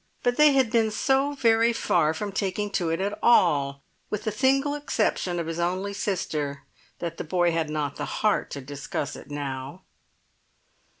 But they had been so very far from taking to it at all, with the single exception of his only sister, that the boy had not the heart to discuss it now.